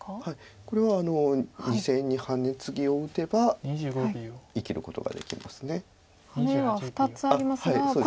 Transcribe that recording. これは２線にハネツギを打てば生きることができます。